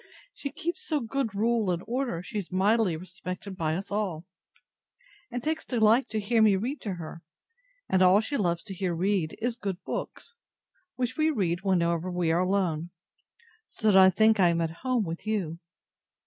She keeps so good rule and order, she is mightily respected by us all; and takes delight to hear me read to her; and all she loves to hear read, is good books, which we read whenever we are alone; so that I think I am at home with you.